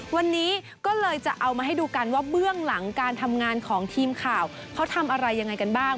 วันนี้ก็เลยจะเอามาให้ดูกันว่าเบื้องหลังการทำงานของทีมข่าวเขาทำอะไรยังไงกันบ้าง